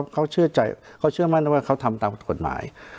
เขาเชื่อมั่นว่าเขาทำตามกฎหมาย